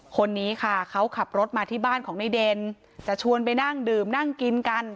คนนี้ค่ะเขาขับรถมาที่บ้านของในเด่นจะชวนไปนั่งดื่มนั่งกินกัน